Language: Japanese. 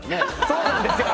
そうなんですよ。